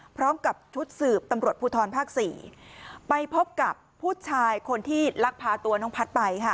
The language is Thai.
พร้อมกับชุดสืบตำรวจภูทรภาคสี่ไปพบกับผู้ชายคนที่ลักพาตัวน้องพัฒน์ไปค่ะ